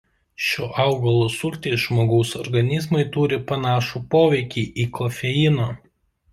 Šio augalo sultys žmogaus organizmui turi panašų poveikį į kofeino.